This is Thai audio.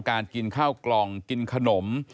กินข้าวกล่องกินขนม